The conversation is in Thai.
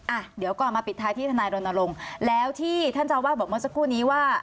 อ่ะเดี๋ยวก่อนมาปิดท้ายที่ทนายรณรงค์แล้วที่ท่านเจ้าวาดบอกเมื่อสักครู่นี้ว่า